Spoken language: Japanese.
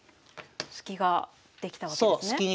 スキができたわけですね。